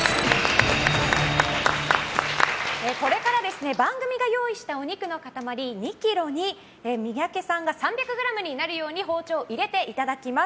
これから番組が用意したお肉の塊２ｋｇに三宅さんが３００ｇになるように包丁を入れていただきます。